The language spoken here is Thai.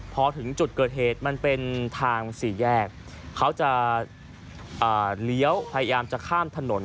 พอถึงจุดเกิดเหตุมันเป็นทางสี่แยกเขาจะเลี้ยวพยายามจะข้ามถนน